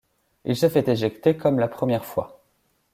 Il se fait éjecter comme la première fois.